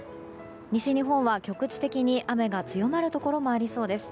西日本は局地的に雨が強まるところもありそうです。